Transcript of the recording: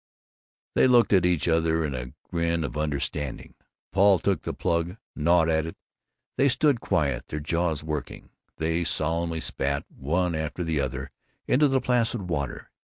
They looked at each other in a grin of understanding. Paul took the plug, gnawed at it. They stood quiet, their jaws working. They solemnly spat, one after the other, into the placid water.